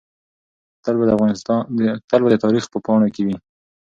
تل به د تاریخ په پاڼو کې وي.